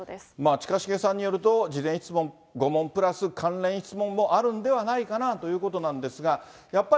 近重さんによると、事前質問５問プラス関連質問もあるんではないかなということなんですが、やっぱり